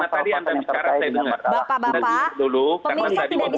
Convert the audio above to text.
bapak bapak pemirsa tidak bisa mendengar apa yang anda katakan